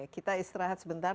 kita istirahat sebentar